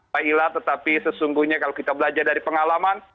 baiklah tetapi sesungguhnya kalau kita belajar dari pengalaman